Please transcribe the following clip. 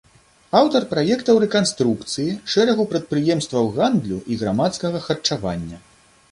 Аўтар праектаў рэканструкцыі шэрагу прадпрыемстваў гандлю і грамадскага харчавання.